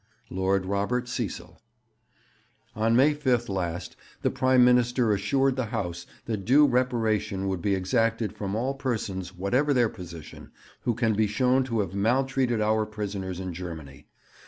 Lord Robert Cecil: 'On May 5 last the Prime Minister assured the House that due reparation would be exacted from all persons, whatever their position, who can be shown to have maltreated our prisoners in Germany.